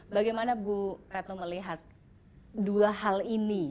bagaimana bu retno melihat dua hal ini